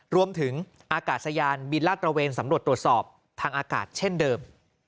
รวมถึงอากาศยานบินลาดตระเวนสำรวจตรวจสอบทางอากาศเช่นเดิม